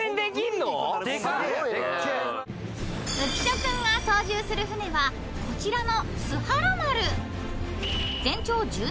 ［浮所君が操縦する船はこちらの］